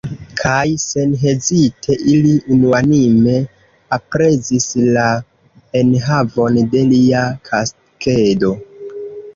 Kaj senhezite, ili unuanime aprezis la enhavon de lia kaskedo.